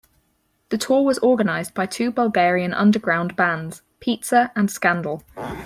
The tour was organized by two Bulgarian underground bands - Pizza and Scandal.